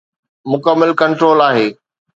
مڪمل ڪنٽرول آهي.